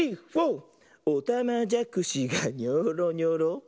「おたまじゃくしがニョーロニョロ」